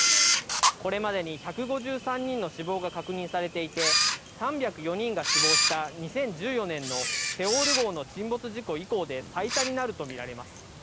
これまでに１５３人の死亡が確認されていて、３０４人が死亡した、２０１４年のセウォル号の沈没事故以降で最多になると見られます。